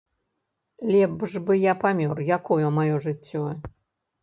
Лепш бы я памёр, якое маё жыццё?